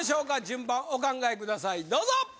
順番お考えくださいどうぞ！